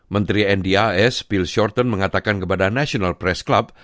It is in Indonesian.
menteri ndas bill shorten mengatakan kepada national press club